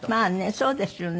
そうですよね。